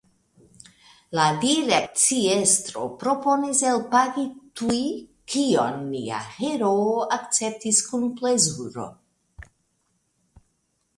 La direkciestro proponis elpagi tuj, kion nia heroo akceptis kun plezuro.